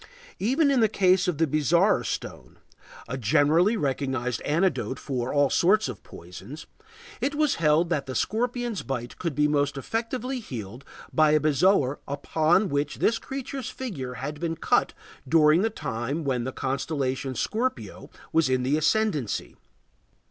Even in the case of the bezoar stone, a generally recognized antidote for all sorts of poisons, it was held that the scorpion's bite could be most effectually healed by a bezoar upon which this creature's figure had been cut during the time when the constellation Scorpio was in the ascendancy.